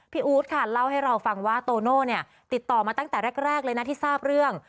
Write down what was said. อู๊ดค่ะเล่าให้เราฟังว่าโตโน่เนี่ยติดต่อมาตั้งแต่แรกเลยนะที่ทราบเรื่อง